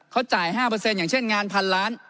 เขาจ่าย๕อย่างเช่นงาน๑๐๐ล้าน